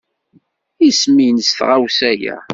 Isem-nnes tɣawsa-a?